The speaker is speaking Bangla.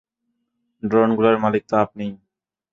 ড্রোনগুলোর মালিক তো আপনিই।